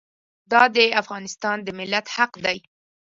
دا د افغانستان د ملت حق دی.